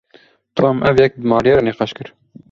Tom ev yek bi Maryê re nîqaş kir.